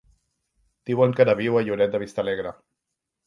Diuen que ara viu a Lloret de Vistalegre.